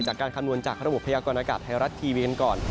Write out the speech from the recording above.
การคำนวณจากระบบพยากรณากาศไทยรัฐทีวีกันก่อน